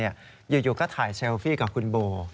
อยู่ก็ถ่ายเซลฟี่กับคุณโบ